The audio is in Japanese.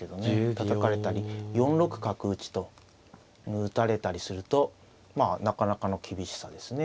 たたかれたり４六角打と打たれたりするとまあなかなかの厳しさですね。